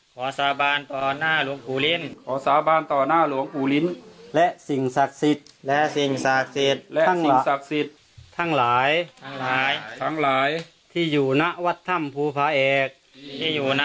ขอสาบานต่อหน้าต่อหลวงปุรินและสิ่งศักดิ์สิทธิ์ทั้งหลายที่อยู่ในหลวงปุริน